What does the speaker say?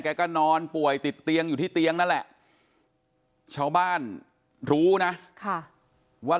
ก็นอนป่วยติดเตียงอยู่ที่เตียงนั่นแหละชาวบ้านรู้นะว่า